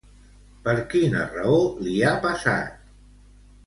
Per quina raó li ha passat?